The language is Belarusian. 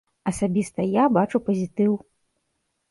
Асабіста я бачу пазітыў.